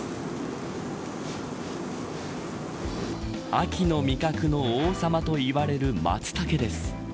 秋の味覚の王様といわれるマツタケです。